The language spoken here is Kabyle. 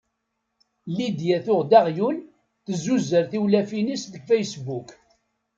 Lidya tuɣ-d aɣyul tzuzer tiwlafin-is deg facebook.